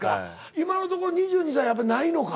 今のところ２２歳はやっぱないのか？